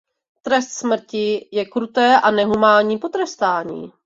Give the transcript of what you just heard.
Trest smrti je kruté a nehumánní potrestání.